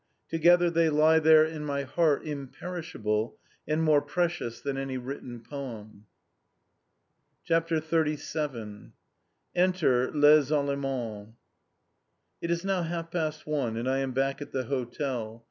Together they lie there in my heart, imperishable, and more precious than any written poem! CHAPTER XXXVII ENTER LES ALLEMANDS It is now half past one, and I am back at the hotel.